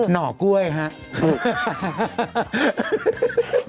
ห่อกล้วยครับ